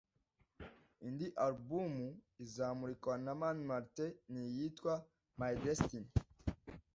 Indi alubumu izamurikwa na Mani Martin ni iyitwa My Destiny